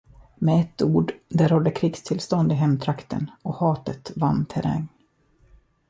Med ett ord, det rådde krigstillstånd i hemtrakten och hatet vann terräng.